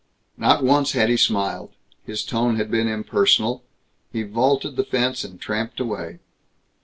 Not once had he smiled. His tone had been impersonal. He vaulted the fence and tramped away.